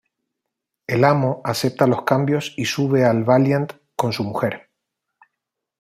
El Amo acepta los cambios y sube al Valiant con su mujer.